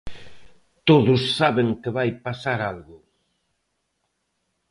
Todos saben que vai pasar algo.